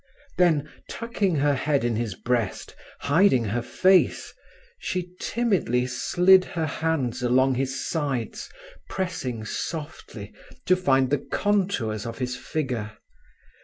Then, tucking her head in his breast, hiding her face, she timidly slid her hands along his sides, pressing softly, to find the contours of his figure.